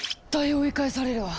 追い返されるわ。